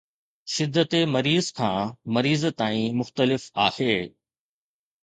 شدت مريض کان مريض تائين مختلف آهي